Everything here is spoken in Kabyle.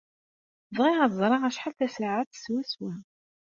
Bɣiɣ ad ẓreɣ acḥal tasaɛet swaswa.